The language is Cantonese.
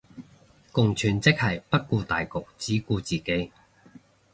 共存即係不顧大局只顧自己